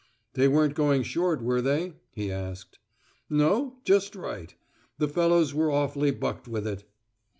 "They weren't going short, were they?" he asked. "No. Just right. The fellows were awfully bucked with it."